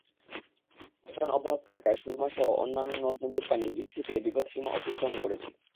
বর্ষণ অব্যাহত থাকায় সুরমাসহ অন্যান্য নদ-নদীর পানি বৃদ্ধি পেয়ে বিপৎসীমা অতিক্রম করেছে।